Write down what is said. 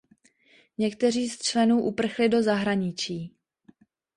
Někteří z členů uprchli do zahraničí.